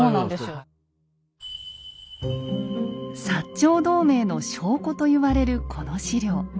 長同盟の証拠と言われるこの史料。